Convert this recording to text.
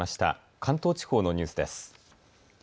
関東地方のニュースです。